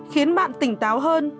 khiến bạn tỉnh táo hơn